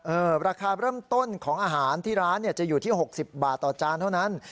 ราคาเริ่มต้นของอาหารที่ร้านเนี่ยจะอยู่ที่๖๐บาทต่อจานเท่านั้น